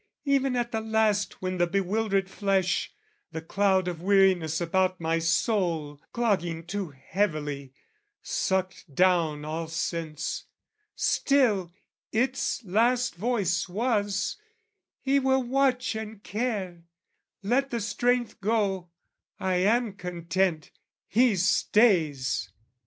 Even at the last when the bewildered flesh, The cloud of weariness about my soul Clogging too heavily, sucked down all sense, Still its last voice was, "He will watch and care; "Let the strength go, I am content: he stays!"